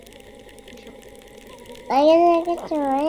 圣索弗康普里厄。